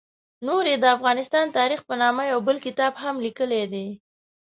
نوري د افغانستان تاریخ په نامه یو بل کتاب هم لیکلی دی.